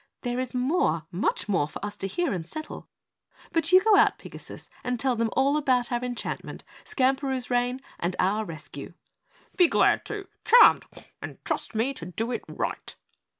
"There is more, much more for us to hear and settle. But you go out, Pigasus, and tell them all about our enchantment, Skamperoo's reign and our rescue." "Be glad to! Charmed! And trust me to do it right."